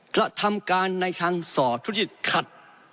กระทำการในทางสอดทุจริตขัด